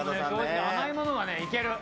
甘いものはいける。